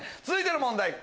続いての問題